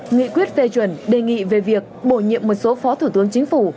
nghị quyết phê chuẩn đề nghị về việc bổ nhiệm một số phó thủ tướng chính phủ